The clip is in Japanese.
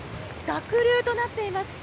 濁流となっています。